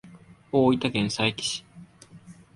大分県佐伯市